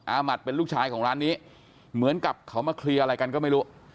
มัดเป็นลูกชายของร้านนี้เหมือนกับเขามาเคลียร์อะไรกันก็ไม่รู้